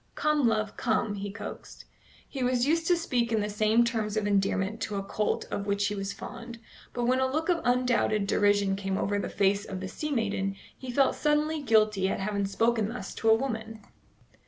"Come, love, come," he coaxed. He was used to speak in the same terms of endearment to a colt of which he was fond; but when a look of undoubted derision came over the face of the sea maiden, he felt suddenly guilty at having spoken thus to a woman.